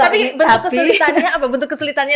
tapi bentuk kesulitannya apa bentuk kesulitannya